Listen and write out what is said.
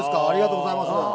ありがとうございます。